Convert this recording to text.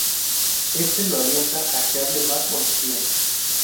Este lo alienta a que hable más con Sofia.